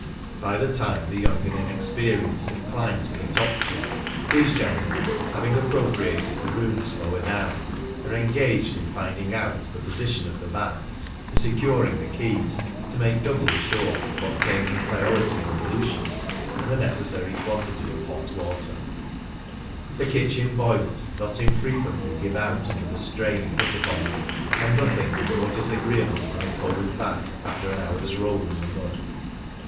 By the time the young and inexperienced have climbed to the top floor, these gentlemen, having appropriated the rooms lower down, are engaged in finding out the position of the baths, and securing the keys to make doubly sure of obtaining priority in ablutions, and the necessary quantity of hot water ; the kitchen boilers not infrequently give out under the strain put upon them, and nothing is more disagreeable than a cold bath after an hour's roll in the mud.